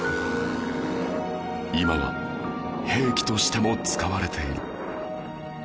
今は兵器としても使われている